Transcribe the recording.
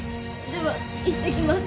ではいってきます。